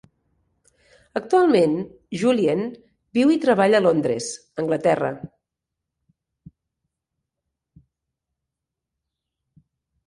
Actualment, Julien viu i treballa a Londres, Anglaterra.